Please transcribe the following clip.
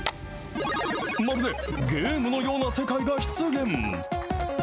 まるでゲームのような世界が出現。